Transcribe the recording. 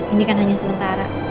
ini kan hanya sementara